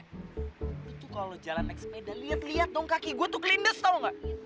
lu tuh kalau jalan naik sepeda liat liat dong kaki gue tuh kelindes tau nggak